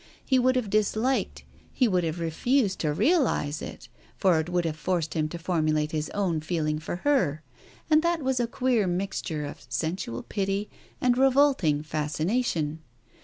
He would have disliked — he would have refused to realize it, for it would h|ive forced him to formulate his own feeling for her, and that was a queer mixture of sensual pity, and revolted fascination.